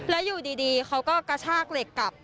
แล้วอยู่ดีเขาก็กระชากเหล็กกลับ